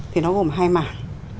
thì nó gồm hai mảng